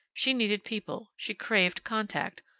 She needed people. She craved contact.